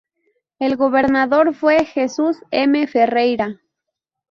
El Gobernador fue Jesús M. Ferreira.